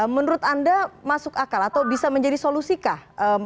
menurut anda masuk akal atau bisa menjadi solusi kah